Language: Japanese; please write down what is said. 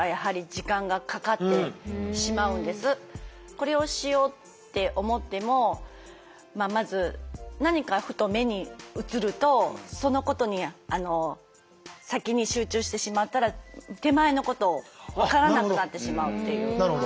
これをしようって思ってもまず何かふと目に映るとそのことに先に集中してしまったら手前のことを分からなくなってしまうっていう。